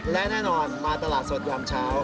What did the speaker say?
และแน่นอนมาตลาดสดยามเช้า